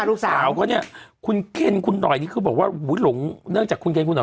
ลูกสาวเขาเนี่ยคุณเคนคุณหน่อยนี่คือบอกว่าหลงเนื่องจากคุณเคนคุณหน่อย